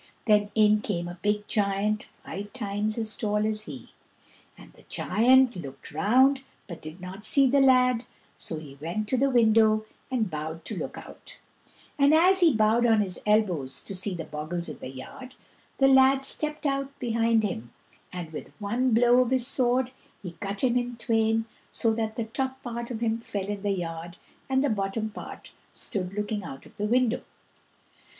Then in came a big giant five times as tall as he, and the giant looked round but did not see the lad, so he went to the window and bowed to look out; and as he bowed on his elbows to see the bogles in the yard, the lad stepped behind him, and with one blow of his sword he cut him in twain, so that the top part of him fell in the yard, and the bottom part stood looking out of the window.